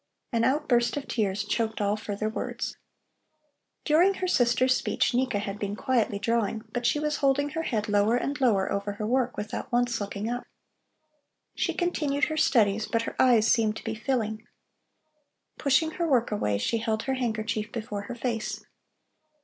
An outburst of tears choked all further words. During her sister's speech Nika had been quietly drawing, but she was holding her head lower and lower over her work without once looking up. She continued her studies, but her eyes seemed to be filling. Pushing her work away, she held her handkerchief before her face.